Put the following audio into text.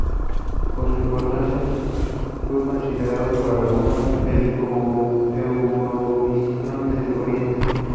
Por su importancia fue considerado por algunos como el "Eurovisión del Oriente".